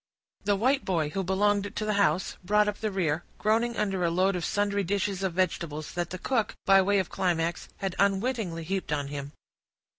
The white boy, who belonged to the house, brought up the rear, groaning under a load of sundry dishes of vegetables, that the cook, by way of climax, had unwittingly heaped on him.